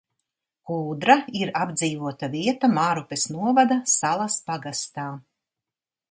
Kūdra ir apdzīvota vieta Mārupes novada Salas pagastā.